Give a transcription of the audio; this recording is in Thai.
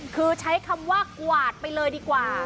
คือใช้คำว่ากวาดไปเลยดีกว่า